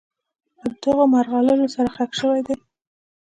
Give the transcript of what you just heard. له دغو مرغلرو سره ښخ شوي دي.